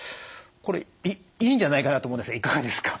これいいんじゃないかなと思うんですがいかがですか？